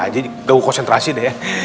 jadi gak mau konsentrasi deh